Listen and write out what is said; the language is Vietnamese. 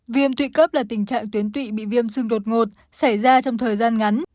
viêm tụy cấp là tình trạng tuyến tụy bị viêm xương đột ngột xảy ra trong thời gian ngắn